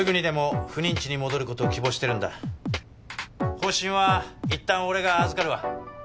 方針はいったん俺が預かるわ。